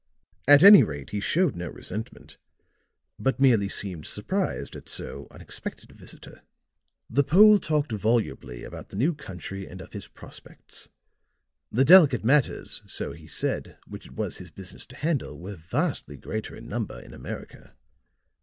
At any rate he showed no resentment, but merely seemed surprised at so unexpected a visitor. The Pole talked volubly about the new country and of his prospects; the delicate matters, so he said, which it was his business to handle were vastly greater in number in America.